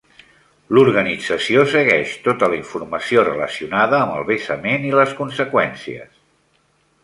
L'organització segueix tot la informació relacionada amb el vessament i les conseqüències.